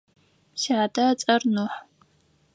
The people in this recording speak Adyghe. Сятэ ыцӏэр Нухь.